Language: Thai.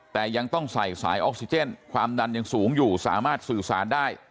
แต่ยังต้องใส่สายออกซิเจนความดันยังสูงอยู่สามารถสื่อสารได้